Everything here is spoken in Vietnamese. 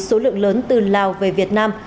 số lượng lớn từ lào về việt nam